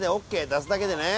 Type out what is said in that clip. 出すだけでね。